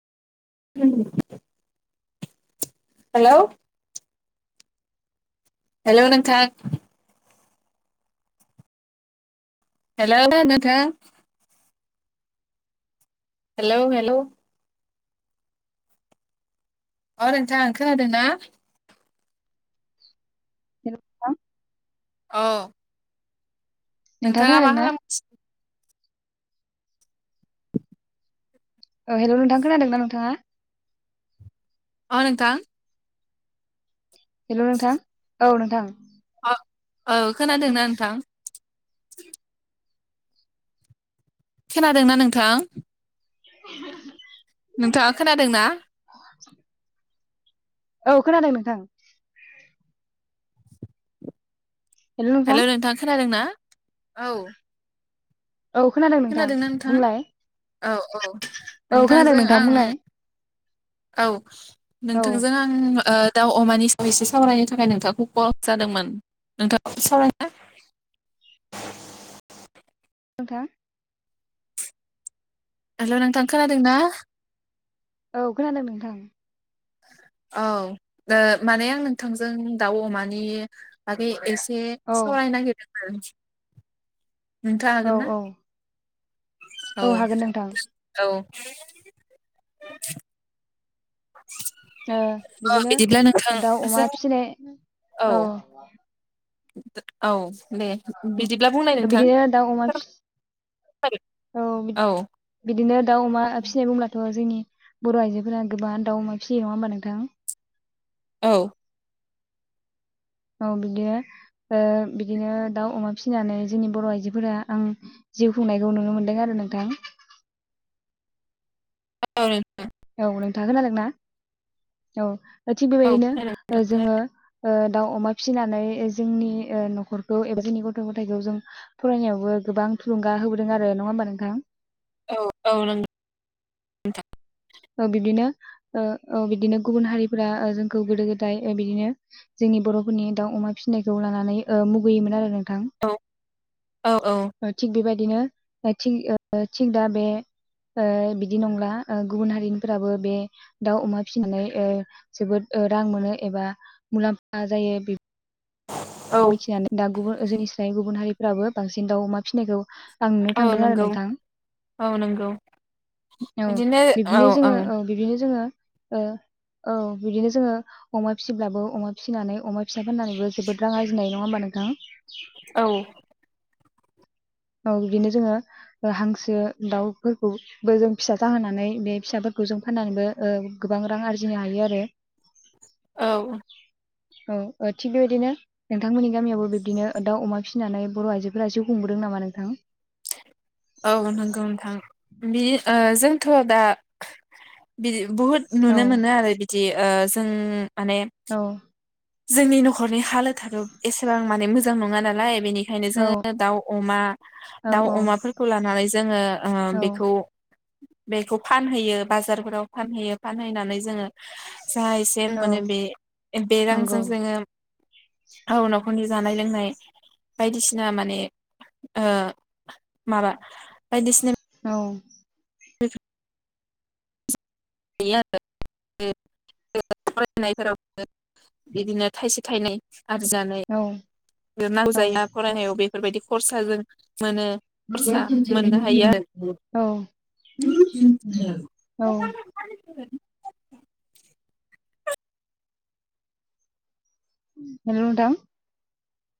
[unintelligible] हेल' हेल'नोंथां हेल' खोनादोना नोंथां हेलौ हेलौ अ नोंथां खोनादों ना [inaudible] अ नोंथाङा मा खालामगासिनो औ हेल' नोंथां खोनादोंना नोंथाङा औ नोथां हेल' नोंथां औ नोंथां औ औ खोनादोंना नोंथां खोनादोंना नोंथां [unintelligible] नोंथाङा खोनादोंना? औ खोनादों नोंथां हेल' नोंथां खोनादों ना औ औ खोनादों नोंथां बुंलाय औ औ औ खोनादों नोंथांजों नोंथां आं बुंलाय औ औ नोंथांजों आं आ दाउ अमानि सायाव एसे सावरायनो थाखाय नोंथांखौ कल जादोंमोन नोंथाङखौ ए सावरायना [unintelligible] नोंथा हेल' नोंथां खोनादों ना औ खोनादों नोंथां औ ओ माने आं नोंथांजों दाउ, अमानि बागै एसे औ सावरायनो नायगिरदोंमोन। नोंथां हागोन औ ना? औ औ हागोन नोंथां औ। ओ अ बिदिनो बिदिब्ला दाउ नोंथांजों अमा फिसिनाय औ। औ दे बिदिब्ला बुंनाय नोंथां। बिदिनो दाउ अमा औ बिदिनो दाउ अमा फिसिनाय बुंब्लाथ' जोंनि बर' आइजोफोरा गोबाङा दाउ अमा फिसियो नङा होमबा नोंथां? औ। औ बिदिनो ओ बिदिनो दाउ अमा फिसिनानै जोंनि बर' आइजोफोरा ओं जिउ खुंनायखौ नुनो मोन्दों आरो नोंथां। [inaudible] औ नोंथां। औ नोंथां खोनादोंना? औ। दा थिग औ खोनादों बेबायदिनो जोङो ओ दाउ अमा फिसिनानै जोंनि ओ न'खरखौ एबा जोंनि गथ' गथायखौ जों फरायनायावबो गोबां थुलुंगा होबोदों आरो नङा होम बा नोंथां? औ औ नंगौ नोंथां। ओ बिबदिनो ओ‌ ओ बिदिनो गुबुन हारिफोरा ओ जोंखौ गोदो गोदाय बिदिनो जोंनि बर'फोरनि दाउ अमा फिसिनायखौ लानानै ओ मुगैयोमोन आरो नों थां। औ औ ओ‌ थिग बेबा दिनो थिग ओ थिग दा बे ओ बिदि नंला। ओ गुबुन हारिनिफ्राबो बे दाउ अमा फिसिनानै ओ जोबोद ओ रां मोनो एबा मुलाम्फा जायो बि औ खिनियानो। दा गुबुन ओ जोंनि स्राय गुबुन हारिफोराबो बांसिन दाउ अमा फिसिनायखौ आं नुनो औ थांदों आरो नंगौ नोंथां। औ नंगौ औ बिदिनो औ बिब्दिनो जोङो औ बिब्दिनो जोङो ओ औ बिदिनो जोङो अमा फिसिब्लाबो अमा फिसिनानै अमा फिसा फाननानैबो जोबोद रां आरजिनो हायो नङा होमबा नोंथां? औ। औ बिदिनो जोङो ओ हांसो दाउफोरखौबो जों फिसा जाहोनानै बे फिसाफोर खौ जों फाननानैबो ओ गोबां रां आरजिनो हायो आरो। औ। औ ओ थिग बेबायदिनो नोंथांमोननि गामियावबो बिब्दिनो दाउ अमा फिसिनानै बर' आइजोफोरा जिउ खुं बोदों नामा नोंथां? बिदि ओ जोंथ' दा बिदि बुहुद औ नुनो मोनो आरो बिदि ओ जों माने औ जोंनि न'खरनि हालोदाथ' एसेबां माने मोजां नङा नालाय बेनि खायनो औ जोङो दाउ अमा दाउ अमाफोरखौ लानानै जोङो ओ औ बेखौ बेखौ फानहैयो बाजारफोराव फानहैयो फानहैनानै जोङो जा एसे औ मोनो बे बे नंगौ रांजों जोङो हाव न'खरनि जानाय लोंनाय बायदिसिना माने ओ माबा बायदिसिना औ। [unintelligible] फरायनायफोराव बिदिनो थाइसे थाइनै आरिनानै औ नांगौ औ जायो फरायनायाव बेफोरबायदि खरसाजों मोनो खरसा मोननो हायो आरो। औ औ। [inaudible] हेल' नोंथां?